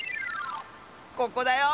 ここだよ